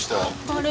あれ？